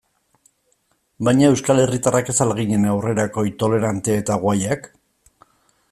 Baina euskal herritarrak ez al ginen aurrerakoi, tolerante eta guayak?